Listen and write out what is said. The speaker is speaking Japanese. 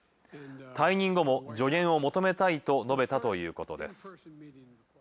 退任後も助言を求めたい」と述べたということです。